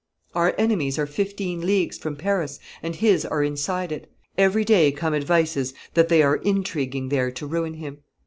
Our enemies are fifteen leagues from Paris, and his are inside it. Every day come advices that they are intriguing there to ruin him.